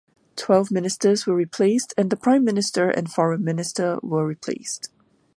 Twelve ministers were replaced and the Prime Minister and Foreign Minister were replaced.